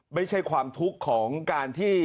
ไม่ใช่ความทุกข์ของการที่